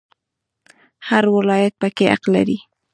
هر ولایت پکې حق لري